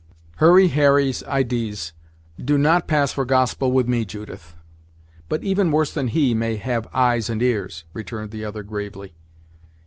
"Hurry Harry's idees do not pass for gospel with me, Judith; but even worse than he may have eyes and ears," returned the other gravely.